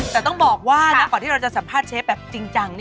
แต่ต้องบอกว่าก่อนที่เราจะสัมภาษณ์เชฟแบบจริงจัง